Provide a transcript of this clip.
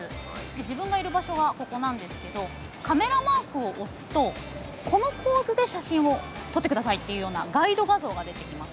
自分がいる場所がここなんですけどカメラマークを押すとこの構図で写真を撮ってくださいとガイド画像が出てきます。